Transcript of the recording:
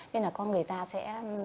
nên là con người ta sẽ